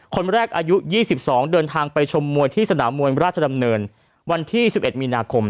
คนแรกอายุ๒๒เดินทางไปชมมวยที่สนามมวยราชดำเนินวันที่๑๑มีนาคม